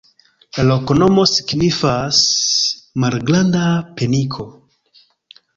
La loknomo signifas: malgranda-peniko.